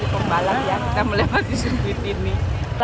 sempatan ini pembalap yang kita melewati sirkuit ini